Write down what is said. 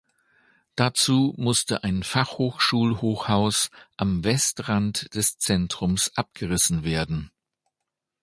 Dazu musste ein Fachhochschul-Hochhaus am Westrand des Zentrums abgerissen werden.